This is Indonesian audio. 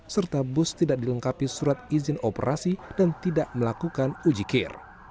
serta bus tidak dilengkapi surat izin operasi dan tidak melakukan ujikir